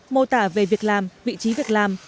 mô tả về việc làm vị trí việc làm